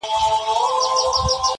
ډېري مو وکړې د تاریخ او د ننګونو کیسې,